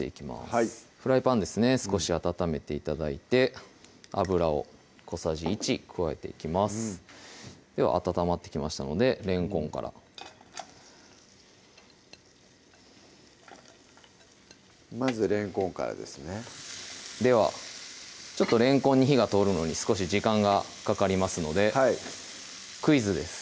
はいフライパンですね少し温めて頂いて油を小さじ１加えていきますでは温まってきましたのでれんこんからまずれんこんからですねではれんこんに火が通るのに少し時間がかかりますのでクイズです